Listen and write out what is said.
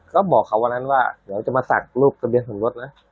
เขาบอกวันนั้นว่าเขาจะมาศักดิ์ตะเบียงส่วนลดนะ